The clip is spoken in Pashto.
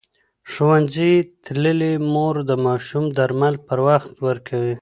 ښوونځې تللې مور د ماشوم درمل پر وخت ورکوي.